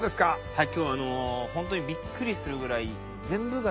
はい。